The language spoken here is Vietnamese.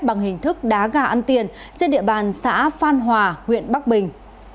bằng hình thức đá gà ăn tiền trên địa bàn xã phan hòa huyện bắc bình